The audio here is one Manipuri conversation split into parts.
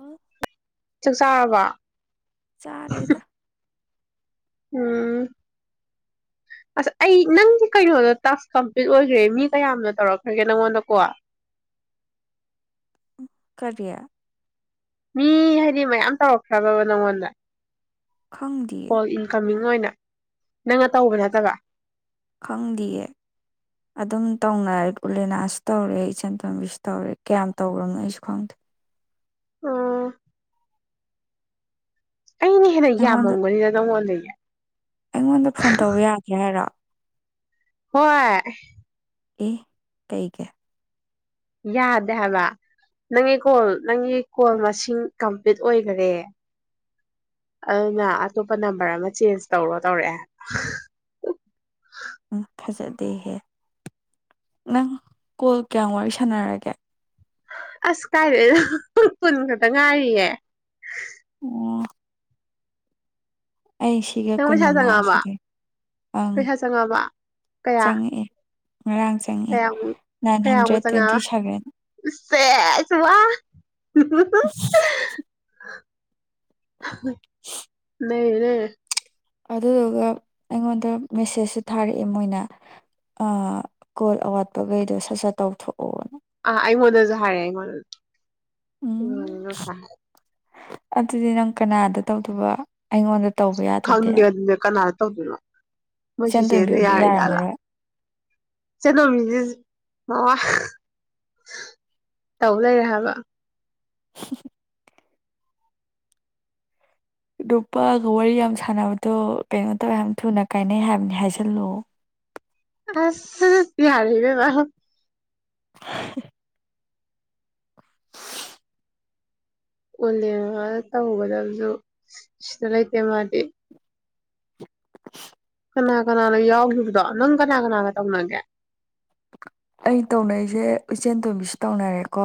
ꯑꯣ ꯆꯥꯕ ꯆꯥꯔꯦꯗ ꯎꯝ ꯑꯁ ꯑꯩ ꯅꯪꯗꯤ ꯀꯩꯅꯣꯗ ꯇꯥꯛꯁ ꯀꯝꯄ꯭ꯂꯤꯠ ꯑꯣꯏꯈ꯭ꯔꯦ ꯃꯤ ꯀꯌꯥꯝꯅ ꯇꯧꯔꯛꯈ꯭ꯔꯒꯦ ꯅꯪꯉꯣꯟꯗꯀꯣ ꯀꯔꯤꯌꯥ ꯃꯤ ꯍꯥꯏꯗꯤ ꯃꯌꯥꯝ ꯇꯧꯔꯛꯈ꯭ꯔꯕꯕ ꯅꯪꯉꯣꯟꯗ ꯈꯪ ꯗꯌꯦ ꯅ ꯑꯣꯏꯅ ꯅꯪꯅ ꯇꯧꯕ ꯅꯠꯇꯕ ꯈꯪꯗꯌꯦ ꯑꯗꯨꯝ ꯇꯧꯅꯔ ꯎꯂꯦꯅꯥꯁꯨ ꯇꯧꯔꯦ ꯏꯆꯟ ꯊꯣꯝꯕꯤꯁꯨ ꯇꯧꯔꯦ ꯀꯌꯥꯝ ꯇꯧꯈ꯭ꯔꯕꯅꯣ ꯑꯩꯁꯨ ꯈꯪꯗꯦ ꯑꯥ ꯑꯩꯅ ꯍꯦꯟꯅ ꯑꯩꯉꯣꯟꯗ ꯌꯥꯝꯃꯝꯕꯅꯤꯗ ꯅꯪꯉꯣꯟꯗꯒꯤ ꯑꯩꯉꯣꯟꯗ ꯐꯣꯟ ꯇꯧꯕ ꯌꯥꯒ꯭ꯔꯦ ꯍꯥꯏꯔꯣ ꯍ ꯑꯦ ꯀꯩ ꯀ ꯌꯥꯗꯦ ꯍꯥꯏꯕ ꯅꯪꯒꯤ ꯀꯣꯜ ꯅꯪꯒꯤ ꯀꯣꯜ ꯃꯁꯤꯡ ꯀꯝꯄ꯭ꯂꯤꯠ ꯑꯣꯏꯈꯔꯦ ꯑꯗꯨꯅ ꯑꯇꯣꯞꯄ ꯅꯝꯕꯔ ꯑꯃ ꯆꯦꯟꯖ ꯇꯧꯔꯣ ꯇꯧꯔꯛꯑꯦ ꯎꯝ ꯐꯖꯗꯦꯍꯦ ꯅꯪ ꯀꯣꯜ ꯀꯌꯥꯝ ꯋꯥꯔꯤ ꯁꯥꯟꯅꯔꯒꯦ ꯑꯁ ꯀꯥꯏꯗꯣꯏꯏꯗꯣ ꯄꯨꯟ ꯈꯛꯇ ꯉꯥꯏꯔꯤꯌꯦ ꯑꯣ ꯑꯩ ꯁꯤꯒ ꯅꯪ ꯀꯨꯟ ꯄꯩꯁꯥ ꯃꯉꯥ ꯆꯪꯉꯛꯑꯕ ꯁꯗ ꯑꯪ ꯄꯩꯁꯥ ꯆꯪꯉꯛꯑꯕ ꯀꯌꯥ ꯆꯪꯉꯛꯑꯦ ꯉꯔꯥꯡ ꯆꯪꯏ ꯀꯌꯥꯃꯨꯛ ꯅꯥꯏꯟ ꯍꯟꯗ꯭ꯔꯦꯠ ꯇ꯭ꯋꯦꯟꯇꯤ ꯁꯚꯦꯟ ꯁꯦꯁꯨ ꯋꯥ [unintelligible] [unintelligible] ꯅꯅꯦ ꯑꯗꯨꯗꯨꯒ ꯑꯩꯉꯣꯟꯗ ꯃꯦꯁꯦꯁꯁꯨꯦ ꯊꯥꯔꯛꯑꯦ ꯃꯣꯏꯅ ꯀꯣꯜ ꯑꯋꯥꯠꯄꯈꯩꯗꯣ ꯁꯠ ꯁꯠ ꯇꯧꯊꯣꯛ ꯍ ꯎꯝ ꯎꯝꯗꯁ ꯑꯗꯨꯗꯤ ꯅꯪ ꯀꯅꯥꯗ ꯇꯧꯗꯕ ꯑꯩꯉꯣꯟꯗ ꯇꯧꯕ ꯌꯥꯗ꯭ꯔꯗꯤ ꯈꯪꯦ ꯑꯗꯨ ꯀꯅꯥ ꯇꯧꯗꯅꯣ ꯏꯆꯟ ꯇꯣꯏꯝꯕꯤꯔꯁꯨ ꯌꯥꯔꯝꯃꯔꯣꯏ ꯆꯦꯅꯣꯕꯤꯁꯤ ꯃꯋꯥ ꯇꯧ ꯂꯩꯔꯦ ꯍꯥꯏꯕ [unintelligible] ꯅꯨꯣꯞꯄꯥꯒ ꯋꯥꯔꯤ ꯌꯥꯝ ꯁꯥꯟꯅꯕꯗꯣ ꯀꯩꯅꯣ ꯇꯧꯋꯦ ꯌꯥꯝ ꯊꯨꯅ ꯀꯥꯏꯅꯩ ꯍꯥꯏꯕꯅꯤ ꯍꯥꯏꯖꯜꯂꯨ ꯑꯁ ꯇꯌꯥꯔꯤꯅꯦ ꯂ [unintelligible] ꯑꯣꯜꯂꯦ ꯇꯧꯧꯒꯗꯕꯁꯨ ꯁꯤꯇ ꯂꯩꯇꯦ ꯃꯥꯗꯤ ꯀꯅꯥ ꯀꯅꯥꯅꯣ ꯌꯥꯎꯈꯤꯕꯗꯣ ꯅꯪ ꯀꯅꯥ ꯀꯅꯥꯒ ꯇꯧꯅꯒꯦ ꯑꯩ ꯇꯧꯅꯔꯤꯁꯦ ꯏꯆꯦꯟ ꯇꯣꯝꯕꯤꯁꯨ ꯇꯧꯅꯔꯦꯀꯣ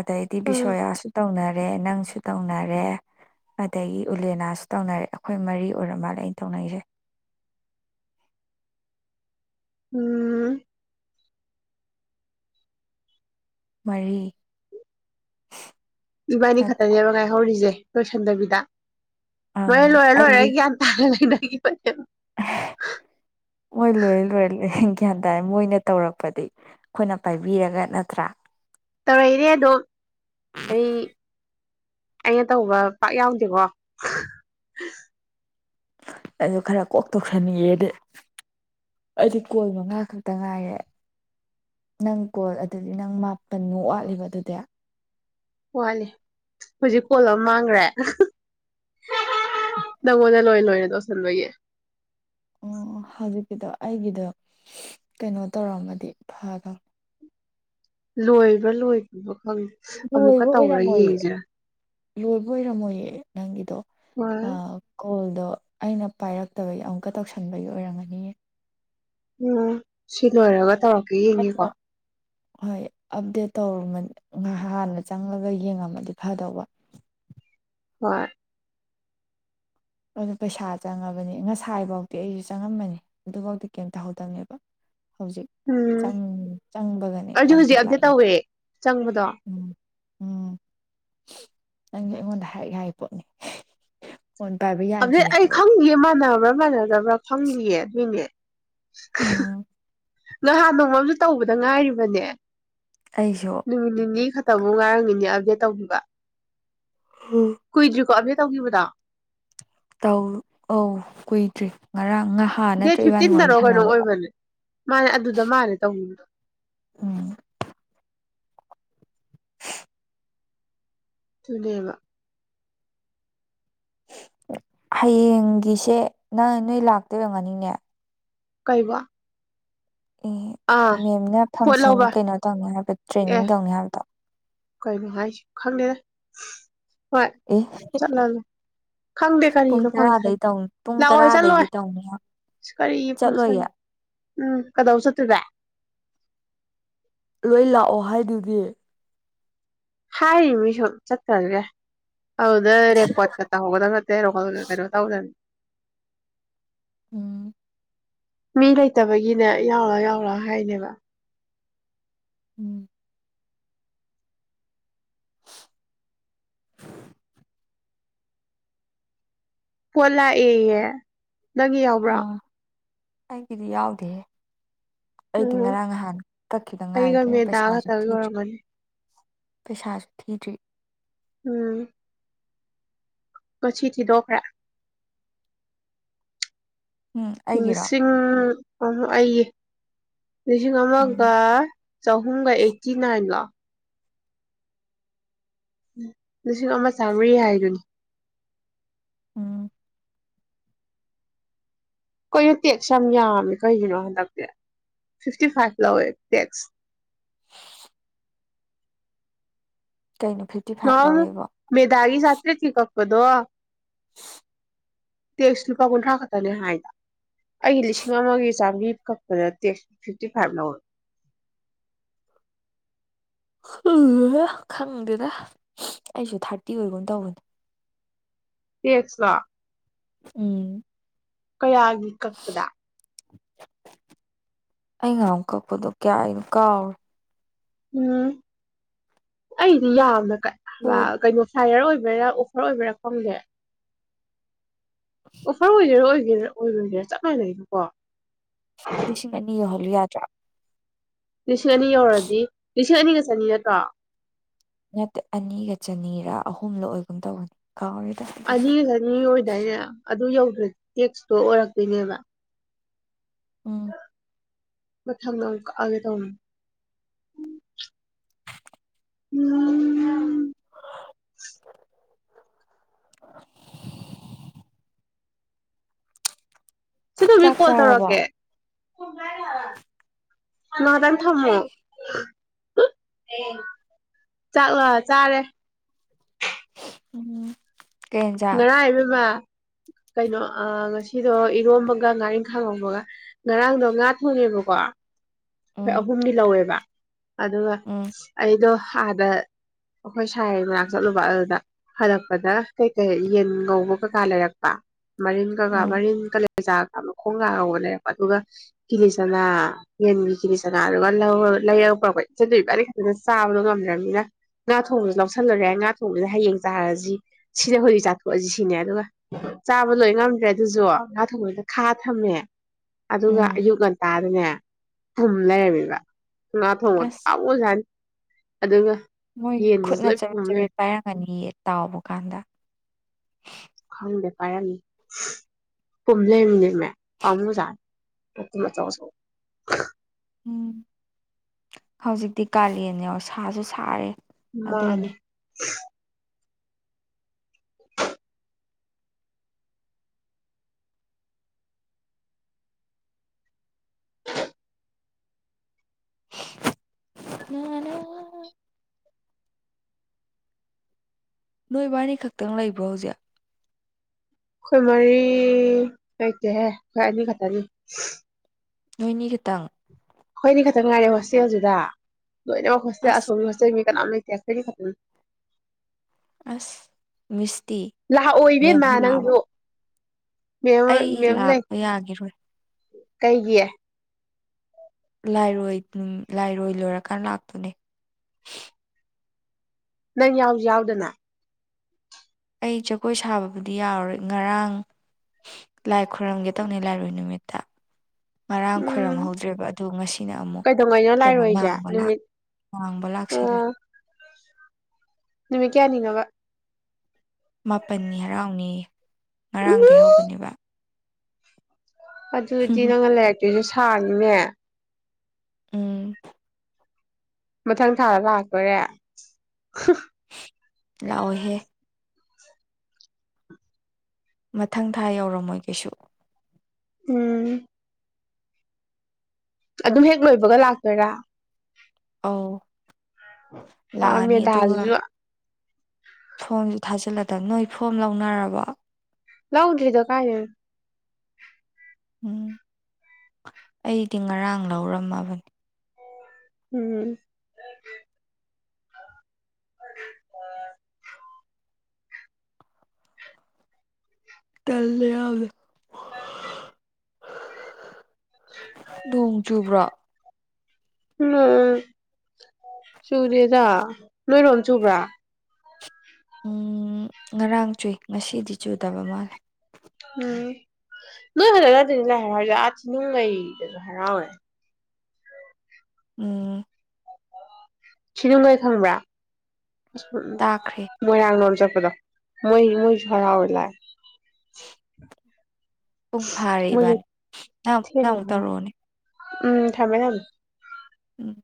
ꯑꯗ ꯎꯝ ꯏꯗꯤꯕꯤꯁꯌꯥ ꯑꯁ ꯇꯧꯅꯔ ꯔꯦ ꯅꯪꯁꯨ ꯇꯧꯅꯔꯦ ꯑꯗꯒꯤ ꯎꯂꯦꯅꯥꯁꯨ ꯇꯧꯅꯔꯦ ꯑꯩꯈꯣꯏ ꯃꯔꯤ ꯑꯣꯏꯔ ꯃꯥꯜꯂꯦ ꯑꯩꯅ ꯇꯧꯅꯩꯁꯦ ꯎꯝ ꯃꯔꯤ ꯏꯕꯥꯅꯤ ꯈꯇꯅꯤꯦꯕꯉꯥꯏ ꯍꯧꯔꯤꯁꯦ ꯂꯣꯏꯁꯟꯗꯕꯤꯗ ꯑꯪ ꯂꯣꯏꯦ ꯂꯣꯏꯔꯦ ꯂꯣꯏꯔꯦ ꯑꯩꯒꯤ ꯒ꯭ꯌꯥꯟ ꯇꯥꯔ ꯂꯩꯗ ꯄꯦ ꯃꯣꯏ ꯂꯣꯏꯔꯦ ꯂꯣꯏꯔꯦ ꯂꯣꯏ ꯒ꯭ꯌꯥꯟ ꯇꯥꯥꯏꯦ ꯃꯣꯏꯅ ꯇꯧꯔꯛꯄꯗꯤ ꯑꯩꯈꯣꯏꯅ ꯄꯥꯏꯕꯤꯔꯒ ꯅꯠꯇ꯭ꯔꯥ ꯇꯧꯔꯛꯏꯅꯦꯦ ꯑꯗꯣ ꯑꯩ ꯑꯩꯅ ꯇꯧꯕ ꯄꯥꯛ ꯌꯥꯎꯗꯦꯀꯣ ꯑꯗꯨ ꯈꯔ ꯀꯣꯛ ꯇꯣꯛꯁꯟꯅꯤꯡꯑꯦꯗꯤ ꯑꯩꯗꯤ ꯀꯣꯜ ꯃꯉꯥ ꯈꯛꯇ ꯉꯥꯏꯌꯦꯦ ꯅꯪ ꯀꯣꯜ ꯑꯗꯨꯗꯤ ꯅꯪ ꯃꯥꯄꯟꯃꯨꯛ ꯋꯥꯠꯂꯤꯕ ꯑꯗꯨꯗꯤ ꯋꯥꯅꯤ ꯍꯧꯖꯤꯛ ꯀꯣꯜ ꯑꯃ ꯃꯥꯡꯈ꯭ꯔꯦ ꯅꯪꯉꯣꯟꯗ ꯂꯣꯏ ꯂꯣꯏꯅ ꯇꯧꯁꯤꯟꯕꯒꯤ ꯁꯤꯗꯣ ꯑꯩꯒꯤꯗꯣ ꯀꯩꯅꯣ ꯇꯧꯔꯝꯃꯗꯤ ꯐꯒ ꯂꯣꯏꯕ꯭ꯔꯥ ꯂꯣꯏꯔꯤꯕ ꯂꯣꯏꯕ ꯑꯣꯏꯔꯝꯃꯣꯏꯌꯦ ꯂꯣꯏꯕ ꯑꯣꯏꯔꯝꯃꯣꯏꯌꯦ ꯅꯪꯒꯤꯗꯣ ꯑ ꯍꯣꯏ ꯀꯣꯣꯏ ꯑꯗꯣ ꯑꯩꯅ ꯄꯥꯏꯔꯛꯇꯕꯒꯤ ꯑꯃꯨꯛꯀ ꯇꯧꯁꯟꯕꯒꯤ ꯑꯣꯏꯔꯝꯒꯅꯤꯌꯦ ꯎꯝ ꯁꯤ ꯂꯔꯒ ꯇꯧꯔ ꯌꯦꯡꯉꯤꯀꯣ ꯑꯩꯅ ꯍꯣꯏ ꯑꯞꯗꯦꯠ ꯇꯧꯔ ꯍꯥꯟꯅ ꯆꯪꯂꯒ ꯌꯦꯡꯉꯝꯃꯗꯤ ꯐꯗꯧꯕ ꯍꯣꯏ ꯑꯗꯨ ꯄꯩꯁꯥ ꯆꯪꯉꯕꯅꯤ ꯉꯁꯥꯏꯐꯧꯗꯤꯤ ꯑꯩꯁꯨ ꯆꯪꯉꯝꯕꯅꯤ ꯑꯗꯨꯐꯧꯗꯤ ꯀꯩꯝ ꯇꯧꯍꯧꯗꯕꯅꯦꯕ ꯍꯧꯖꯤꯛꯪ ꯎꯝ ꯆꯪꯕꯒꯅꯦ ꯑꯩꯁꯨ ꯍꯧꯖꯤꯛ ꯑꯞꯗꯦꯠ ꯂꯥꯛꯏ ꯇꯧꯋꯦ ꯆꯪꯕꯗꯣ ꯎꯝ ꯎꯝ ꯅꯪꯒꯤ ꯑꯩꯉꯣꯟꯗ ꯍꯥꯏ ꯍꯥꯏꯒꯤ ꯄꯣꯠꯅꯤ ꯄꯥꯏꯕ ꯑꯗꯨꯗꯤ ꯌꯥꯗ꯭ꯔꯤꯅꯦ ꯑꯩ ꯍꯥꯏꯕ ꯈꯪꯈꯤꯌꯦ ꯃꯥꯟꯅꯕ꯭ꯔꯥ ꯃꯥꯟꯅꯗꯕ꯭ꯔꯥ ꯈꯪꯈꯤꯌꯦ ꯑꯗꯨꯏꯅꯦ [unintelligible] ꯎꯝ ꯅꯍꯥꯟ ꯅꯣꯡꯃꯝꯁꯨ ꯇꯧꯕꯗ ꯉꯥꯏꯔꯤꯕꯅꯦ ꯑꯩꯁꯨ ꯅꯨꯃꯤꯒꯤ ꯇꯧꯕꯕꯨ ꯉꯥꯏꯔꯝꯈꯤꯅꯦ ꯑꯞꯗꯦꯠ ꯇꯧꯕꯤꯕ ꯀꯣꯏꯗꯨꯀꯣꯕꯤ ꯇꯧꯈꯤꯕꯗꯣ ꯇ ꯑꯧ ꯀꯨꯏꯗ꯭ꯔꯤ ꯉꯔꯥꯡ ꯉꯍꯥꯟ ꯗꯦꯠ ꯅꯠꯇ꯭ꯔ ꯏꯕꯥꯅꯤ ꯋꯥꯔꯤ ꯐꯤꯐꯇꯤꯟꯗꯔꯣ ꯀꯩꯅꯣ ꯁꯥꯟꯅꯕꯗ ꯑꯣꯏꯕꯅꯦ ꯃꯥꯅꯦ ꯑꯗꯨꯗ ꯃꯥꯂꯦ ꯇꯧꯅꯤꯡꯗ ꯎꯝ ꯆꯅꯦꯕ ꯍꯌꯦꯡꯒꯤꯁꯦ ꯅꯪ ꯅꯣꯏ ꯂꯥꯛꯇꯣꯏꯕ ꯉꯥꯅꯤꯡꯅꯦ ꯀꯩꯕ ꯑꯦ ꯑꯥ ꯃꯦꯝꯅ ꯄꯣꯠ ꯐꯪꯁꯟ ꯂꯧꯕ ꯀꯩꯅꯣ ꯇꯧꯅꯤ ꯍꯥꯏꯕ ꯑꯦ ꯇ꯭ꯔꯦꯅꯤꯡ ꯇꯧꯅꯤ ꯍꯥꯏꯕꯗꯣ ꯀꯩꯅꯣ ꯍꯥꯏꯁꯨ ꯈꯪꯗꯦꯅꯦ ꯍꯣꯏ ꯑꯦ ꯆꯠꯂꯂ ꯈꯪꯗꯦ ꯄꯨꯡ ꯀꯔꯤꯅꯣ ꯐꯪꯁꯟ ꯇꯔꯥꯗꯩ ꯇꯧꯅꯤ ꯄꯨꯡ ꯂꯥꯛꯑꯣꯏ ꯇꯔꯥꯗꯒꯤ ꯆꯠꯂꯣꯏ ꯇꯧꯅꯤ ꯍꯥꯏ ꯑ ꯀꯔꯤ ꯐꯪꯁꯟ ꯆꯠꯂꯣꯏꯌꯦ ꯎꯝ ꯀꯗꯧ ꯆꯠꯇ꯭ꯔꯤꯚ ꯂꯣꯏ ꯂꯥꯛꯑꯣ ꯍꯥꯏꯗꯨꯗꯤ ꯍꯥꯏꯔꯤ ꯃꯤ ꯁꯨꯝ ꯆꯠꯈꯔꯒꯦ ꯑꯗꯨꯗ ꯔꯦꯀꯣꯔꯠꯀ ꯇꯧꯍꯧꯒꯗꯕ ꯅꯠꯇꯦ ꯔꯣꯣꯜ ꯀꯩꯅꯣ ꯇꯧꯗꯅꯤ ꯎꯝ ꯃꯤ ꯂꯩꯇꯕꯒꯤꯅꯦ ꯌꯥꯎꯔ ꯌꯥꯎꯔꯥ ꯍꯥꯏꯅꯦꯕ ꯎꯝ ꯐꯣꯂ ꯑꯦꯌꯦ ꯅꯪꯒꯤ ꯌꯥꯎꯕ꯭ꯔꯥ ꯑꯥ ꯑꯩꯒꯤꯗꯤ ꯌꯥꯎꯗꯦ ꯑꯩꯗꯤ ꯎꯝ ꯉꯔꯥꯡ ꯅꯍꯥꯟ ꯀꯛꯈꯤꯗ ꯑꯩꯒ ꯉꯥꯏꯒꯦ ꯃꯦꯗꯥ ꯄꯩꯁꯥꯁꯨ ꯈꯛꯇꯒꯤ ꯊꯤꯗ꯭ꯔꯤ ꯑꯣꯏꯔꯝꯒꯅꯤ ꯄꯩꯁꯥ ꯊꯤꯔꯤ ꯎꯝ ꯀꯁꯤꯤ ꯊ ꯗꯙꯣꯈꯂꯥ ꯎꯝ ꯑꯩꯒꯤꯔꯣ ꯂꯤꯁꯤꯡ ꯑ ꯍ ꯑꯩꯌꯦ ꯂꯤꯁꯤꯡ ꯎꯝ ꯑꯃꯒ ꯆꯍꯨꯝꯒ ꯑꯩꯠꯇꯤ ꯅꯥꯏꯟꯂꯣ ꯂꯤꯁꯤꯡ ꯑꯃ ꯆꯥꯝꯃꯔꯤ ꯍꯥꯏꯗꯨꯅꯤ ꯎꯝ ꯀꯅꯣ ꯇꯦꯛꯁ ꯌꯥꯝ ꯌꯥꯝꯃꯦ ꯀꯩꯒꯤꯅꯣ ꯍꯟꯗꯛꯇꯤ ꯐꯤꯐꯇꯤ ꯐꯥꯏꯚ ꯂꯧꯋꯦ ꯇꯦꯛꯁ ꯀꯩꯅꯣ ꯐꯤꯐꯇꯤ ꯍꯨ ꯐꯥꯏꯚ ꯂꯧꯋꯦꯕꯣ ꯃꯦꯗꯥꯒꯤ ꯁꯥꯇꯔꯤ ꯊ ꯀ ꯀꯗꯣꯋꯥ ꯇꯦꯛꯁ ꯂꯨꯄꯥ ꯀꯨꯟꯊ꯭ꯔꯥ ꯈꯛꯇꯅꯦ ꯍꯥꯏꯗ ꯑꯩꯒꯤ ꯂꯤꯁꯤꯡ ꯑꯃꯒꯤ ꯆꯥꯝꯃꯔꯤ ꯀꯛꯄꯗ ꯇꯦꯛꯁ ꯐꯤꯐꯇꯤ ꯐꯥꯏꯚ ꯂꯧꯔ ꯎ ꯈꯪꯗꯦꯗ ꯑꯩꯁꯨ ꯊꯥꯔꯇꯤ ꯑꯣꯏꯒꯨꯝꯅ ꯇꯧꯕꯅꯦ ꯌꯦꯠꯁꯂ ꯎꯝ ꯀꯌꯥꯒꯤ ꯀꯛꯄꯗ ꯑꯩ ꯉ ꯑꯃ ꯀꯛꯄꯗꯣ ꯀꯌꯥꯅꯣ ꯀꯥꯎꯔꯣ ꯎꯝ ꯑꯩꯗꯤ ꯌꯥꯝꯅ ꯄꯣꯠ ꯀꯩꯅꯣ ꯍꯥꯏꯌꯔ ꯑꯣꯏꯕꯩꯔ ꯑꯣꯐꯔ ꯑꯣꯏꯕꯩꯔ ꯈꯪꯗꯦ ꯑꯣꯐꯔ ꯑꯣꯏꯖꯔꯣ ꯑꯣꯏ [inaudible] ꯆꯞ ꯃꯥꯏꯅꯩ ꯀꯣ ꯂꯤꯁꯤꯡ ꯑꯅꯤ ꯌ [inaudible] [inaudible] ꯂꯤꯁꯤꯡ ꯑꯅꯤ ꯌꯧꯔꯗꯤ ꯂꯤꯁꯤꯡ ꯑꯅꯤꯒ ꯆꯅꯤ ꯅꯠꯇ꯭ꯔꯣ ꯅꯠꯇꯦ ꯑꯅꯤꯒ ꯆꯅꯤ ꯑꯍꯨꯝꯂ ꯑꯣꯒꯨꯝ ꯇꯧꯒꯅꯤ ꯑꯅꯤꯒ ꯑꯅꯤꯒ ꯑꯣꯏꯗꯥꯏꯅꯦ ꯑꯗꯨ ꯌꯧ ꯇꯦꯛꯁꯇꯣ ꯑꯣꯏꯔꯛꯇꯣꯏꯅꯦꯕ ꯎꯝ ꯃꯊꯪꯗ ꯑꯣꯏꯅ ꯀꯛꯑꯒꯦ ꯇꯧꯅꯤ ꯎꯝ [unintelligible] ꯆꯦ ꯊꯣꯏꯕꯤ ꯆꯥꯛ ꯀꯣꯜ ꯆꯥꯔꯕꯣ ꯇꯧꯔꯥꯛꯀꯦ ꯐꯣꯟ ꯄꯥꯏꯗꯦ ꯍꯥꯏꯕ ꯉꯥꯍꯛꯇꯪ ꯊꯝꯃꯣ ꯆꯥꯛꯂꯣ ꯆꯥꯔꯦ ꯎꯝ ꯀꯩ ꯌꯦꯟꯖꯥꯡ ꯉꯔꯥꯡ ꯏꯕꯦꯝꯃ ꯀꯩꯅꯣ ꯉꯁꯤꯗꯣ ꯏꯔꯣꯝꯕꯒ ꯉꯥꯔꯤꯜꯈ ꯉꯧꯕꯒ ꯉꯔꯥꯡꯗꯣ ꯉꯥ ꯊꯣꯡꯉꯦꯕꯀꯣ ꯑꯩꯈꯣꯏ ꯎꯝ ꯑꯍꯨꯝꯒꯤ ꯂꯧꯋꯦꯕ ꯑꯗꯨꯒ ꯎꯝ ꯑꯩꯗꯣ ꯑꯥꯗ ꯑꯩꯈꯣꯏ ꯁꯥꯏꯒꯤ ꯃꯅꯛꯇ ꯆꯠꯂꯨꯕ ꯑꯗꯨꯗ ꯍꯜꯂꯛꯄꯗ ꯀꯩ ꯀꯩ ꯌꯦꯟ ꯉꯧꯕꯀꯥ ꯂꯩꯔꯛꯄ ꯃꯔꯤꯟ ꯀꯒ ꯎꯝ ꯃꯔꯤꯟ ꯀꯂꯩ [inaudible] ꯑꯗꯨꯒ ꯀꯤꯂꯤ ꯆꯅꯥ ꯌꯦꯟꯒꯤ ꯀꯤꯂꯤ ꯆꯅꯥ ꯑꯗꯨꯒ ꯂꯩꯔꯒ ꯄꯨꯔꯛꯄ ꯏꯆꯟ ꯏꯕꯥꯅꯤ ꯈꯛꯇꯗ ꯆꯥꯕꯗꯣ ꯉꯝꯗ꯭ꯔꯕꯅꯤꯅ ꯉꯥ ꯊꯣꯡꯕꯁꯨ ꯂꯧꯁꯜꯂꯨꯔꯦ ꯉꯥ ꯊꯣꯡꯕꯁꯤꯗ ꯍꯌꯦꯡ ꯆꯥꯔꯁꯤ ꯁꯤꯗ ꯍꯧꯖꯤꯛ ꯆꯥꯊꯣꯛꯑꯁꯤ ꯁꯤꯅꯦ ꯑꯗꯨꯒ ꯆꯥꯕ ꯂꯣꯏ ꯉꯝꯗ꯭ꯔꯦ ꯑꯗꯨꯁꯨ ꯉꯥ ꯊꯣꯡꯕꯗꯨ ꯈꯥ ꯊꯝꯃꯦ ꯑꯗꯨꯒ ꯎꯝ ꯑꯌꯨꯛ ꯉꯟꯇꯥꯗꯅꯦ ꯄꯨꯝ ꯂꯩꯔꯝꯃꯤꯕ ꯉꯥ ꯊꯧꯕꯗꯨ ꯑꯁ ꯄꯥꯃꯨꯖꯠꯅꯤ ꯑꯗꯨꯒ ꯃꯣꯏ ꯌꯦꯟꯗꯨꯁꯨ ꯈꯨꯠꯅ ꯂꯣꯏ ꯆꯕꯦꯠ ꯄꯨꯝ ꯂꯩꯔꯝꯃꯦ ꯆꯕꯦꯠ ꯄꯥꯏꯔꯝꯒꯅꯤ ꯇꯥꯎꯕ ꯀꯥꯟꯗ ꯈꯪꯗꯦ ꯄꯥꯏꯔꯝꯃꯤ ꯄꯨꯝ ꯂꯩꯔꯝꯃꯤꯅꯦꯃꯤ ꯄꯥꯝꯃꯨꯖꯥꯅꯤ ꯃꯇꯨꯝ ꯑꯆꯧ ꯑꯆꯧꯕ ꯎꯝ ꯍꯧꯖꯤꯛꯇꯤ ꯀꯥꯂꯦꯟꯅꯦ ꯁꯥꯁꯨ ꯁꯥꯔꯦ ꯃꯥꯅꯦ ꯑꯗꯨꯏꯅꯦ ꯉꯅ ꯅꯣꯏꯕꯥꯅꯤ ꯈꯛꯇꯪ ꯂꯩꯕ꯭ꯔꯣ ꯍꯧꯖꯤꯛ ꯈꯣꯏꯃꯔꯤ ꯑꯦꯇꯍꯦ ꯈꯅꯤ ꯈꯇꯅꯤ ꯅꯣꯏꯅꯤ ꯈꯤꯇꯪ ꯑꯩꯈꯣꯏꯅꯤ ꯈꯛꯇꯪ ꯉꯥꯏꯔꯦ ꯍꯣꯁꯇꯦꯜꯁꯤꯗ ꯂꯣꯏꯅꯦꯃꯛꯦ ꯑꯁ ꯆ ꯑꯃ ꯏꯇꯌꯥꯁꯇꯔꯤ ꯈꯪ ꯑꯁ ꯃꯤꯁ ꯂꯥꯛꯑꯣꯏꯕꯦꯝꯃ ꯅꯪꯗꯣ ꯑꯩ ꯂꯥꯛꯄ ꯌꯥꯈꯤꯔꯣꯏ ꯀꯩꯒꯤꯌꯦ ꯂꯥꯏꯔꯣꯏ ꯂꯥꯏꯔꯣꯏ ꯂꯣꯏꯔꯀꯥꯟ ꯂꯥꯛꯇꯨꯅꯦ ꯅꯪ ꯌꯥꯎꯁꯨ ꯌꯥꯎꯗꯅ ꯑꯩ ꯖꯒꯣꯏ ꯁꯥꯕꯕꯨꯗꯤ ꯌꯥꯎꯔꯣꯏ ꯉꯔꯥꯡ ꯂꯥꯏ ꯈꯨꯣꯏꯔꯝꯒꯦ ꯇꯧꯅꯤ ꯂꯥꯏꯔꯣꯏ ꯅꯨꯃꯤꯠꯇ ꯉꯔꯥꯡ ꯎꯝ ꯈꯣꯏꯔꯝꯍꯧꯗ꯭ꯔꯦꯕ ꯑꯗꯨ ꯉꯁꯤꯅ ꯑꯃꯨꯛ ꯀꯩꯗꯧꯉꯩꯅꯣ ꯀꯩꯅꯣ ꯂꯥꯛꯏꯔꯣꯏꯁꯦ ꯃꯥꯡꯕ ꯅꯨꯃꯤꯠ ꯃꯥꯡꯕ ꯂꯥꯛꯁꯜꯂꯦ ꯅꯨꯃꯤ ꯀ ꯌꯥꯌꯥꯅꯤꯡꯉꯕ ꯃꯥꯄꯜꯅꯤ ꯍꯔꯥꯎꯅꯤ ꯉꯔꯥꯡꯗꯒꯤꯩ ꯎꯝ ꯍꯧꯕꯅꯦꯕ ꯖꯖꯤꯅꯥꯒ ꯂ ꯂꯩ ꯀ ꯁꯤꯁꯨ ꯁꯥꯉꯤꯅꯦ ꯎꯝ ꯃꯊꯪ ꯊꯥꯔ ꯂꯥꯛꯇꯣꯔꯦ ꯂꯑꯣꯍꯦ ꯃꯊꯪ ꯊꯥ ꯌꯧꯔꯝꯃꯣꯏ ꯀꯩꯁꯨ ꯎꯝ ꯑꯗꯨꯝ ꯍꯦꯛ ꯂꯣꯏꯕꯒ ꯂꯥꯛꯀꯣꯏꯔꯥ ꯑ ꯑ ꯃꯗꯖ ꯊꯥꯖꯤꯜꯂꯗ ꯅꯣꯏ ꯐꯣꯝ ꯂꯧꯅꯔꯕ ꯂꯎꯗꯔꯤꯗ ꯀꯥꯏꯅꯦ ꯎꯝ ꯑꯩꯗꯤ ꯉꯔꯥꯡ ꯂꯧꯔꯝꯃꯕꯅꯤ ꯎꯝ ꯇ ꯌꯥꯗ ꯍ ꯅꯣꯡ ꯆꯨꯕ꯭ꯔꯥ ꯎꯝ ꯁꯨꯗꯦꯗ ꯅꯣꯏꯔꯣꯝ ꯆꯨꯕ꯭ꯔꯥ ꯎꯝ ꯉꯔꯥꯡ ꯆꯨꯏ ꯉꯁꯤꯗꯤ ꯆꯨꯗꯕ ꯃꯥꯜꯂꯦ ꯎꯝ ꯅꯣꯏ ꯐꯖꯅ ꯅꯠꯇꯗꯤ ꯂ ꯍꯔꯥꯎ ꯑꯥꯊꯤ ꯅꯨꯡꯉꯩꯗꯁꯨ ꯍꯔꯥꯎꯋꯦ ꯎꯝ ꯁꯤꯅꯅ ꯑꯦꯈꯪꯕ ꯇꯥꯈ꯭ꯔꯦ ꯃꯣꯏꯔꯥꯡ ꯂꯣꯝ ꯆꯠ ꯃꯣꯏ ꯃꯣꯏꯁꯨ ꯍꯔꯥꯎꯔꯦ ꯂꯥꯏ ꯄꯨꯡ ꯐꯥꯔꯦ ꯃꯣꯏꯁꯨ ꯏꯕꯥꯅꯤ ꯅꯪ ꯑꯃꯨꯛ ꯅꯪ ꯊꯦꯡꯅ ꯑꯃꯨꯛ ꯍꯔꯥꯎ ꯇꯧꯔꯛ ꯑꯣ ꯅꯦ ꯎꯝ ꯊꯝꯃꯦ ꯊꯝꯃꯦ ꯎꯝ